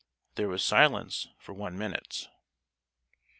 There was silence for one minute.